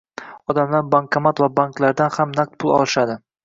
Odamlar bankomat va banklardan ham naqd pul olishadi